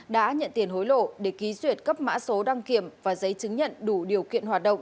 đã nhận tiền hối lộ để ký duyệt cấp mã số đăng kiểm và giấy chứng nhận đủ điều kiện hoạt động